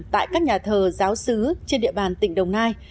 tại các nhà thờ giáo sứ trên địa bàn tỉnh đồng nai